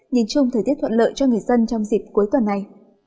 nhìn chung thời tiết thuận lợi cho người dân trong dịp cuối tuần này